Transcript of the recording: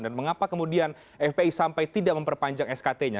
dan mengapa kemudian fpi sampai tidak memperpanjang skt nya